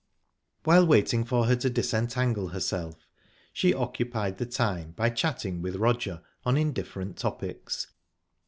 While waiting for her to disentangle herself, she occupied the time by chatting with Roger on indifferent topics.